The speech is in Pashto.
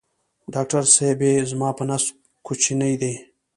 ډاکټر صېبې زما په نس کوچینی دی